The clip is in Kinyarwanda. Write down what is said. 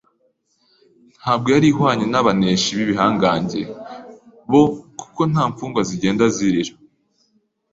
Ntabwo yari ihwanye n'iy'abaneshi b'ibihangange bo ku Nta mfungwa zigenda zirira